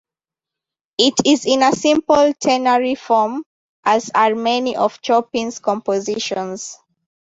It is in a simple ternary form, as are many of Chopin's compositions.